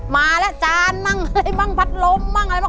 มาแล้วจานบ้างพัดลมบ้างอะไรบ้าง